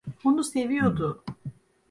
Onu seviyordu.